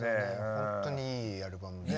本当にいいアルバムで。